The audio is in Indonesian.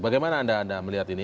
bagaimana anda melihat ini